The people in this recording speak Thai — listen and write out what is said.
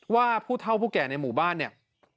ว่าผู้เท่าผู้แก่ในหมู่บ้านเนี่ย